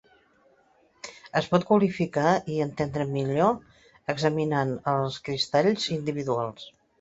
Es pot quantificar i entendre millor examinant els cristalls individuals.